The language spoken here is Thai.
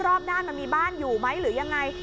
รอบด้านมันมีบ้านอยู่ไหมหรือยังไง